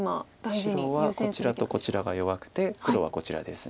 白はこちらとこちらが弱くて黒はこちらです。